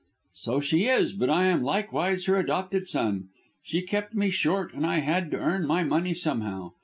"So she is, but I am likewise her adopted son. She kept me short, and I had to earn my money somehow.